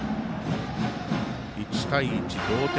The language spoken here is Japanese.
１対１、同点。